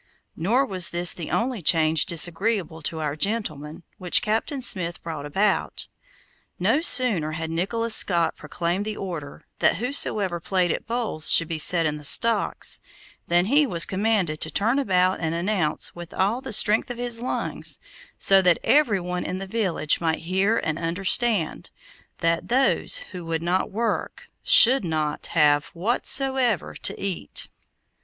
Nor was this the only change disagreeable to our gentlemen, which Captain Smith brought about. No sooner had Nicholas Skot proclaimed the order that whosoever played at bowls should be set in the stocks, than he was commanded to turn about and announce with all the strength of his lungs, so that every one in the village might hear and understand, that those who would not work should not have whatsoever to eat.